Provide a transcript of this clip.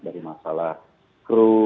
dari masalah crew